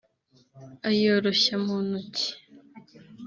ayoroshya mu ntoki